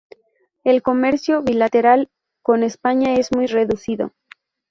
El comercio bilateral con España es muy reducido.